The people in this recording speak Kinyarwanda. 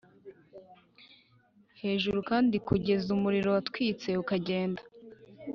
hejuru kandi kugeza umuriro watwitse ukagenda